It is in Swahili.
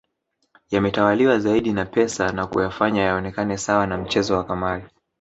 Yametawaliwa zaidi na pesa na kuyafanya yaonekane sawa na mchezo wa kamali